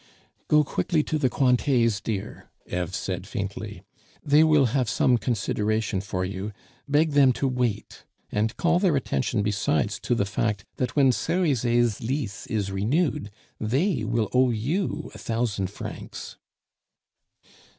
"Go quickly to the Cointets, dear," Eve said faintly; "they will have some consideration for you; beg them to wait; and call their attention besides to the fact that when Cerizet's lease is renewed, they will owe you a thousand francs."